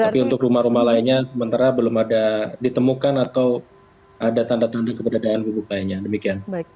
tapi untuk rumah rumah lainnya sementara belum ada ditemukan atau ada tanda tanda keberadaan bubuk lainnya demikian